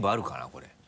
これ。